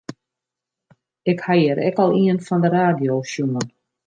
Ik ha hjir ek al ien fan de radio sjoen.